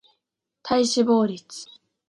体脂肪率